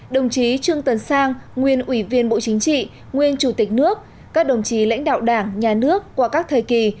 đồng chí trương tần sang nguyên ủy viên bộ chính trị nguyên chủ tịch nước các đồng chí lãnh đạo đảng nhà nước qua các thời kỳ